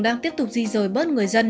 đang tiếp tục di rời bớt người dân